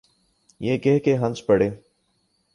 یہ کہہ کے ہنس پڑے۔